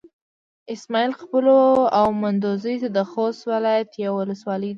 اسماعيل خېلو او مندوزي د خوست ولايت يوه ولسوالي ده.